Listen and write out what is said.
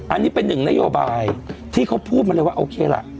อันนี้เป็นหนึ่งนโยบายที่เขาพูดมาเลยว่าโอเคล่ะ